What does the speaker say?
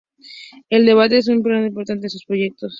El debate es una parte importante en sus proyectos.